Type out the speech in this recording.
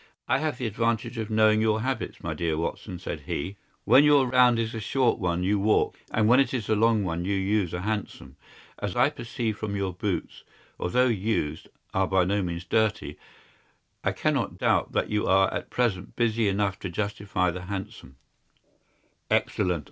"I have the advantage of knowing your habits, my dear Watson," said he. "When your round is a short one you walk, and when it is a long one you use a hansom. As I perceive that your boots, although used, are by no means dirty, I cannot doubt that you are at present busy enough to justify the hansom." "Excellent!"